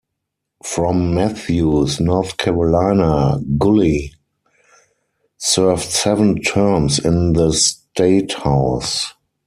From Matthews, North Carolina, Gulley served seven terms in the state House.